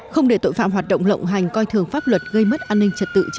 không để tội phạm hoạt động lộng hành coi thường pháp luật gây mất an ninh trật tự trên địa bàn